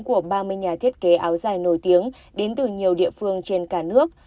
của ba mươi nhà thiết kế áo dài nổi tiếng đến từ nhiều địa phương trên cả nước